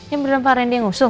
yang merendah pak randy yang usul